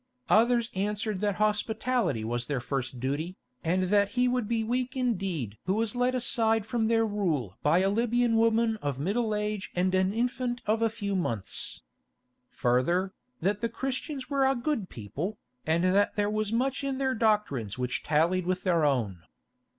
Others answered that hospitality was their first duty, and that he would be weak indeed who was led aside from their rule by a Libyan woman of middle age and an infant of a few months. Further, that the Christians were a good people, and that there was much in their doctrines which tallied with their own.